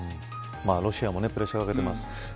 ロシアもプレッシャーかけてます。